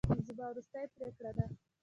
زما وروستۍ پرېکړه ده.